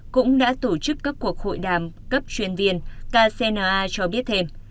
cũng đã tổ chức các cuộc hội đàm cấp chuyên viên kcna cho biết thêm